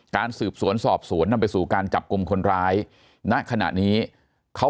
สืบสวนสอบสวนนำไปสู่การจับกลุ่มคนร้ายณขณะนี้เขา